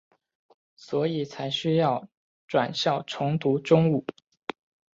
所以才需要转校重读中五。